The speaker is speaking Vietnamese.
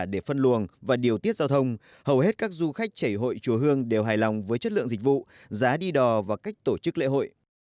để phân luồng và điều tiết giao thông hầu hết các du khách chảy hội chùa hương đều hài lòng với chất lượng dịch vụ giá đi đò và cách tổ chức lễ hội